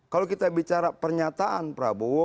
kalau kita bicara pernyataan prabowo